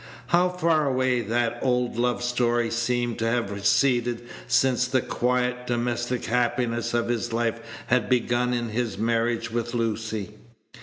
How far away that old love story seemed to have receded since the quiet domestic happiness of his life had begun in his marriage with Lucy!